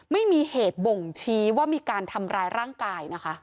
ไม่มีเหตุบ่งชี้ว่ามีการทำร้ายร่างกายนะคะ